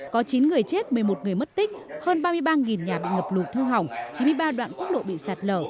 có chín người chết một mươi một người mất tích hơn ba mươi ba nhà bị ngập lụt thương hỏng chín mươi ba đoạn quốc lộ bị sạt lở